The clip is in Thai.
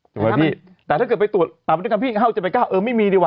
แต่ถ้าถ้าเกิดไปตรวจตามพันธุกรรมพี่อย่างเล่นเยอะผมจะไปก็ไม่มีด้วยว่ะ